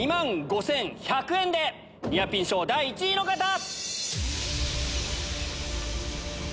２万５１００円でニアピン賞第１位の方！